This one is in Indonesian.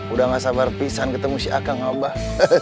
udah gak sabar pisang ketemu si akang obah